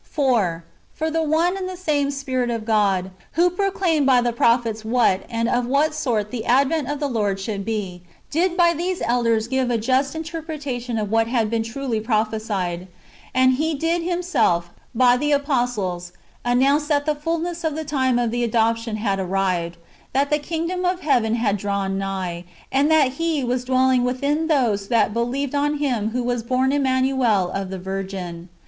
4. For the one and the same Spirit of God, who pro claimed by the prophets what and of what sort the advent of the Lord should be, did by these elders give a just interpreta tion of what had been truly prophesied ; and He did Himself, by the apostles, announce that the fulness of the times of the adoption had arrived, that the kingdom of heaven had drawn nigh, and that He v/as dwelling within those that believe on Him who was born Emmanuel of the Virgin.